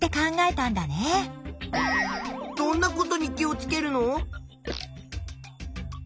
どんなことに気をつけるの？